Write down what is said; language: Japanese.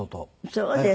そうですか。